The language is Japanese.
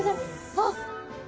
あっ！